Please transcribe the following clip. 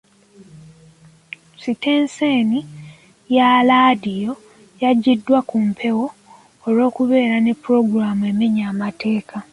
Sitenseni ya laadiyo yajiddwa ku mpewo olw'okubeera ne pulogulamu emenya amateeka.